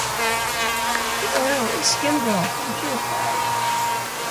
The oil is skimmed off and purified.